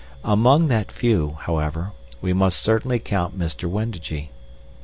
Among that few, however, we must certainly count Mr. Wendigee.